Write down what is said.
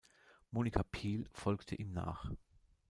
Monika Piel folgte ihm nach.